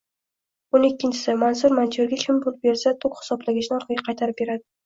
O`n ikkinchisi, Mansur montyorga kim pul bersa, tok hisoblagichini orqaga qaytarib beradi